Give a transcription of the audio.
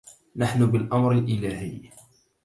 نحن بالأمر الإلهي